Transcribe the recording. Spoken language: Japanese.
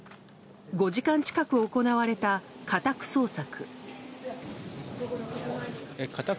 ５時間近く行われた家宅捜索。